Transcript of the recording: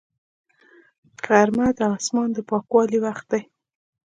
غرمه د اسمان د پاکوالي وخت دی